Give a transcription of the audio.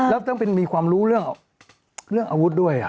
แล้วต้องมีความรู้เรื่องอาวุธด้วย